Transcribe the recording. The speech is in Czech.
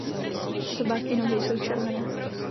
Zobák i nohy jsou červené.